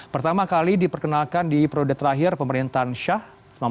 pertama kali diperkenalkan di produk terakhir pemerintahan shah seribu sembilan ratus tujuh puluh enam